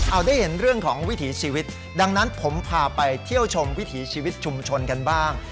เอาได้เห็นเรื่องของวิถีชีวิตดังนั้นผมพาไปเที่ยวชมวิถีชีวิตชุมชนกันบ้าง